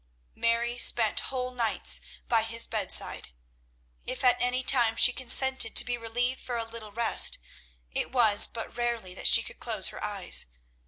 Mary spent whole nights by his bedside. If at any time she consented to be relieved for a little rest, it was but rarely that she could close her eyes.